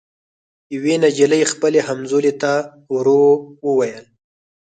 یوې نجلۍ خپلي همزولي ته ورو ووېل